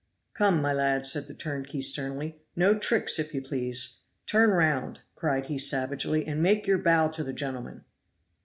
"Come, my lad," said the turnkey sternly, "no tricks, if you please. Turn round," cried he savagely, "and make your bow to the gentlemen."